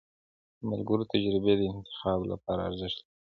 د ملګرو تجربې د انتخاب لپاره ارزښت لري.